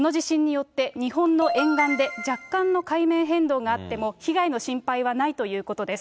この地震によって日本の沿岸で若干の海面変動があっても、被害の心配はないということです。